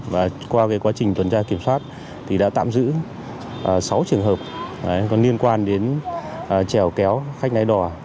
và qua quá trình tuần tra kiểm soát đã tạm giữ sáu trường hợp liên quan đến treo kéo khách ngay đò